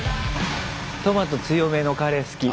トマト強めのカレー好き。